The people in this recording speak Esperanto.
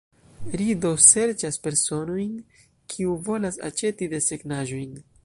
Ri do serĉas personojn, kiu volas aĉeti desegnaĵojn.